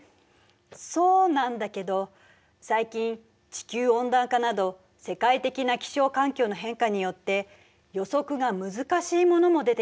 そうなんだけど最近地球温暖化など世界的な気象環境の変化によって予測が難しいものも出てきたの。